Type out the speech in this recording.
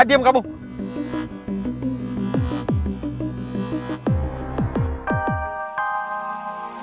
nanti aku ikutan sih